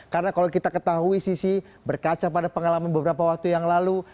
karena kalau kita ketahui sisi berkaca pada pengalaman beberapa waktu yang lalu